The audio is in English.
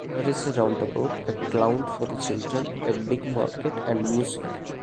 There is a roundabout, a clown for the children, a big market and music.